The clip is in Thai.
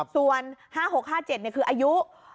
ส่วน๕๖๕๗คืออายุ